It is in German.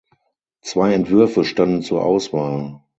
Zwei Entwürfe standen zur Auswahl.